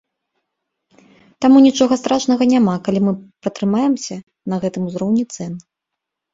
Таму нічога страшнага няма, калі мы пратрымаемся на гэтым узроўні цэн.